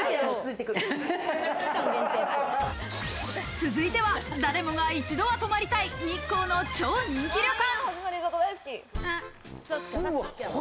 続いては、誰もが一度は泊まりたい日光の超人気旅館。